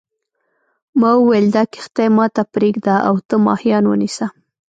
ما وویل دا کښتۍ ما ته پرېږده او ته ماهیان ونیسه.